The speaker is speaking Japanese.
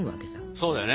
そうだよね。